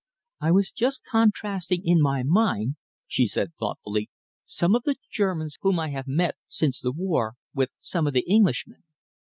"I was just contrasting in my mind," she said thoughtfully, "some of the Germans whom I have met since the war, with some of the Englishmen.